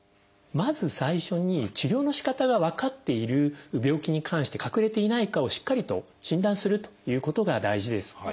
まず最初に治療のしかたが分かっている病気に関して隠れていないかをしっかりと診断するということが大事です。